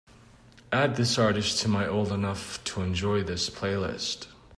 add this artist to my Old Enough To Enjoy This playlist